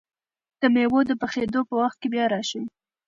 د مېوو د پخېدو په وخت کې بیا راشئ!